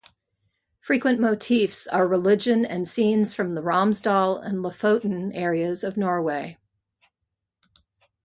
Frequent motifs are religion and scenes from the Romsdal and Lofoten areas of Norway.